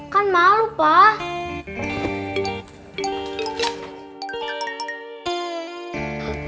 kan malu pak